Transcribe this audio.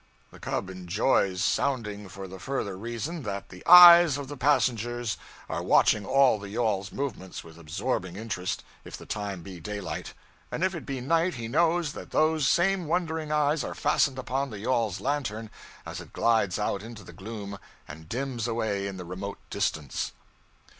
The cub enjoys sounding for the further reason that the eyes of the passengers are watching all the yawl's movements with absorbing interest if the time be daylight; and if it be night he knows that those same wondering eyes are fastened upon the yawl's lantern as it glides out into the gloom and dims away in the remote distance.